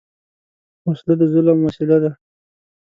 وسله د ظلم وسیله ده